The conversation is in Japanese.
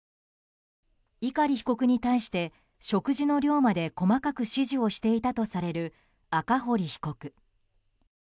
碇被告に対して食事の量まで細かく指示していたとされる赤堀被告。